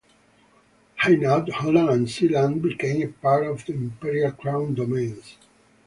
Hainaut, Holland and Zeeland became a part of the imperial crown domains.